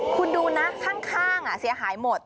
คุณดูนะข้างเสียหายหมด